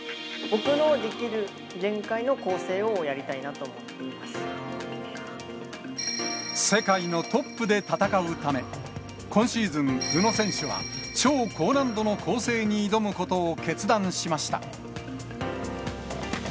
僕のできる限界の構成をやりたい世界のトップで戦うため、今シーズン、宇野選手は超高難度の構成に挑むことを決断しました。